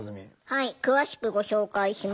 はい詳しくご紹介します。